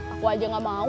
aku aja gak mau